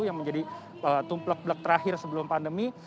yang menjadi tumplek blek terakhir sebelum pandemi